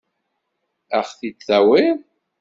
Ad ɣ-t-id-tawiḍ?